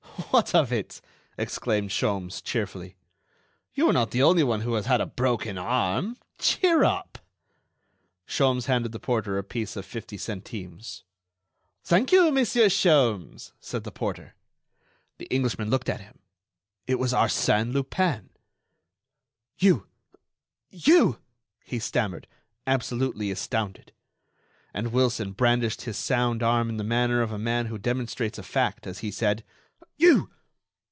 "What of it?" exclaimed Sholmes, cheerfully. "You are not the only one who has had a broken arm. Cheer up!" Sholmes handed the porter a piece of fifty centimes. "Thank you, Monsieur Sholmes," said the porter. The Englishman looked at him; it was Arsène Lupin. "You!... you!" he stammered, absolutely astounded. And Wilson brandished his sound arm in the manner of a man who demonstrates a fact as he said: "You!